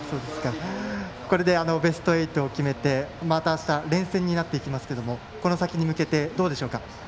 これでベスト８を決めてまたあした連戦になっていきますけどもこの先に向けて、どうでしょう。